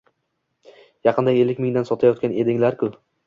Yaqinda ellik mingdan sotayotgan edilaring-ku